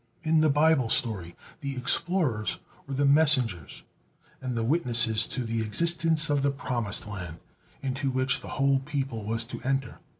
In the Bible story, the explorers were the messengers, and the witnesses to the existence of the Promised Land, into which the whole people was to enter.